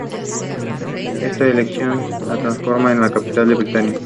Muchos judíos se mantuvieron escondidos en el Protectorado hasta el final de la guerra.